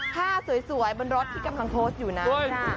ถ้าสวยบนรถที่กำลังโทสอยู่น้ำ